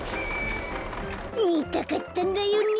みたかったんだよね。